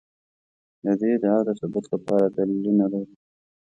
د دې ادعا د ثبوت لپاره دلیلونه لرو.